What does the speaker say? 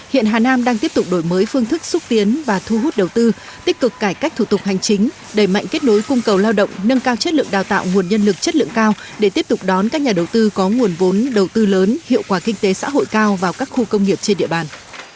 hiện hà nam đang tiếp tục đổi mới phương thức xúc tiến và thu hút đầu tư tích cực cải cách thủ tục hành chính đẩy mạnh kết nối cung cầu lao động nâng cao chất lượng đào tạo nguồn nhân lực chất lượng cao để tiếp tục đón các nhà đầu tư có nguồn vốn đầu tư lớn hiệu quả kinh tế xã hội cao vào các khu công nghiệp trên địa bàn